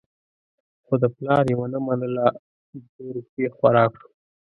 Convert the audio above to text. خو د پلار یې ونه منله، د تورې شپې خوراک شو.